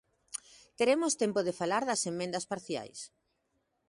Teremos tempo de falar das emendas parciais.